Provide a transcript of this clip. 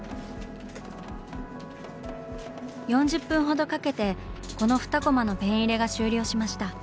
４０分ほどかけてこの２コマのペン入れが終了しました。